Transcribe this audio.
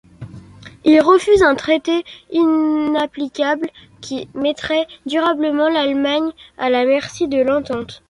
Il refuse un traité inapplicable qui mettrait durablement l'Allemagne à la merci de l'Entente.